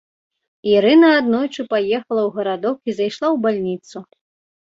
Ірына аднойчы паехала ў гарадок і зайшла ў больніцу.